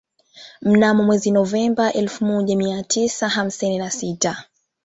Mnamo mwezi Novemba elfu moja mia tisa hamsini na sita